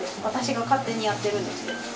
私が勝手にやってるんですけど。